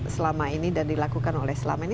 selama ini dan dilakukan oleh selama ini